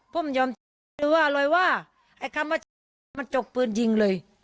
พุ่มยอมหรือว่าอะไรว่าไอ้คำว่ามันจกปืนยิงเลย